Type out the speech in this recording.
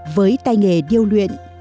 với tay nghề điêu luyện